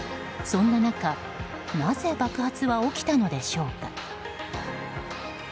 そんな中なぜ爆発は起きたのでしょうか。